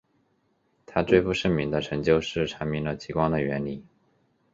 他最负盛名的成就是阐明了极光的原理。